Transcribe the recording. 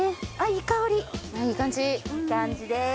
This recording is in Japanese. いい感じです。